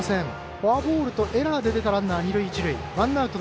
フォアボールとエラーで出たランナー、二塁一塁。